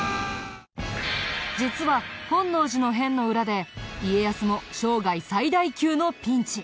実は本能寺の変の裏で家康も生涯最大級のピンチ！